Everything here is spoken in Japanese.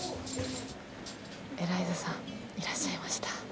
エライザさんいらっしゃいました。